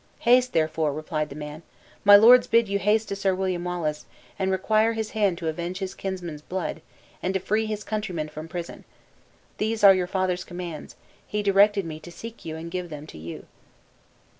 "Haste, therefore," repeated the man; "my lord bids you haste to Sir William Wallace, and require his hand to avenge his kinsman's blood, and to free his countrymen from prison! These are your father's commands; he directed me to seek you and give them to you."